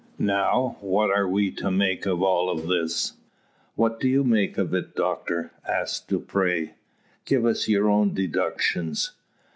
Now, what are we to make of all this?" "What do you make of it, doctor?" asks Dupre. "Give us your own deductions!"